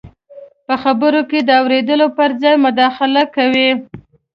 په خبرو کې د اورېدو پر ځای مداخله کوو.